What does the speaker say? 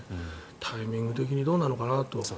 タイミング的にどうなのかな？と。